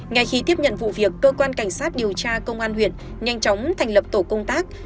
ngay khi tiếp nhận vụ việc cơ quan cảnh sát điều tra công an huyện nhanh chóng thành lập tổ công tác